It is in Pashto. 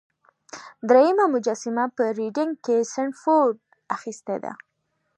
دریمه مجسمه په ریډینګ کې سنډفورډ اخیستې ده.